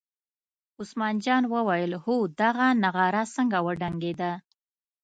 عثمان جان پاچا وویل هو دا نغاره څنګه وډنګېده.